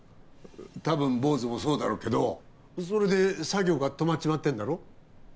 たぶん坊主もそうだろうけどそれで作業が止まっちまってんだろ？